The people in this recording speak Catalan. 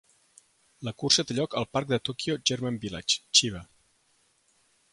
La cursa té lloc al parc de Tokyo German Village, Chiba.